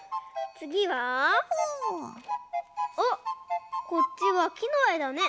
つぎはあっこっちはきのえだね。